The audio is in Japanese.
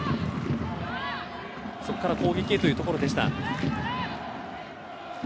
そこから攻撃へというところ。